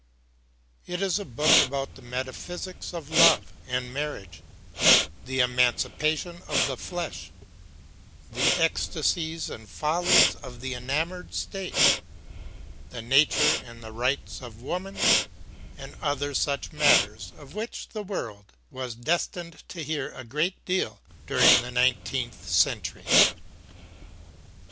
It is a book about the metaphysics of love and marriage, the emancipation of the flesh, the ecstasies and follies of the enamored state, the nature and the rights of woman, and other such matters of which the world was destined to hear a great deal during the nineteenth century.